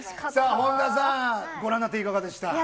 本田さん、ご覧になっていかいや